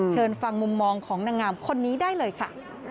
เชิญฟังมุมมองของนางงามคนนี้ได้เลยค่ะ